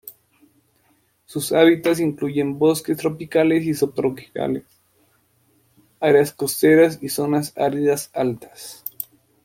Sus hábitats incluyen bosques tropicales y subtropicales, áreas costeras y zonas áridas altas.